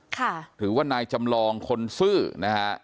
หรือว่านายจำลองคนซื่อนะฮะ